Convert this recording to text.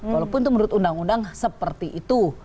walaupun itu menurut undang undang seperti itu